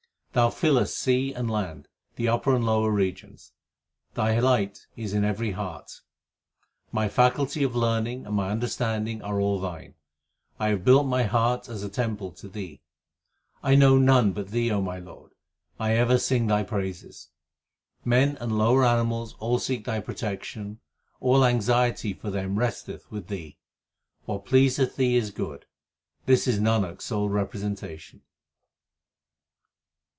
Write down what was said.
Thou fillest sea and land, the upper and lower regions ; Thy light is in every heart. My faculty of learning and my understanding are all Thine ; I have built my heart as a temple to Thee. 1 know none but Thee, O my Lord ; I ever sing Thy praises. Men and lower animals all seek Thy protection ; all anxiety for them resteth with Thee. What pleaseth Thee is good ; this is Nanak s sole repre sentation.